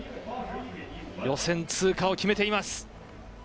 予選通過を決めています。